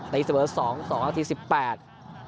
ตีศิษย์เวิร์ดสองสองนาทีสิบแปด